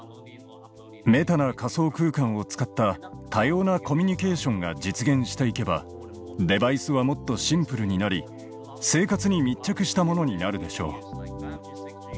メタな仮想空間を使った多様なコミュニケーションが実現していけばデバイスはもっとシンプルになり生活に密着したものになるでしょう。